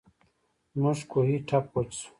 زموږ کوهۍ ټپ وچ شو.